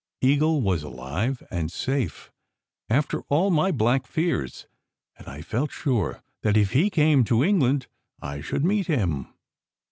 Eagle was alive and safe after all my black fears, and I felt sure that if he came to England I should meet him.